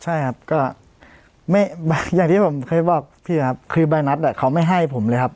ใช่ครับก็อย่างที่ผมเคยบอกพี่ครับคือใบนัดเขาไม่ให้ผมเลยครับ